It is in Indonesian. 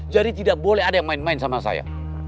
tidak boleh ada yang main main sama saya